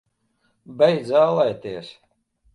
Beidz ālēties!